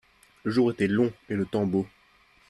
le jour était long et le temps beau.